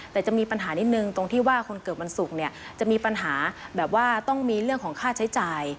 แต่จะมีปัญหานิดนึงตรงที่ว่าคนเกิดวันศุกร์เนี่ยจะมีปัญหาแบบว่าต้องมีเรื่องของค่าใช้จ่าย